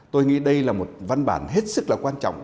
tôi nghĩ đây là một văn bản hết sức là quan trọng